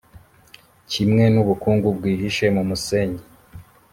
kimwe n’ubukungu bwihishe mu musenyi.»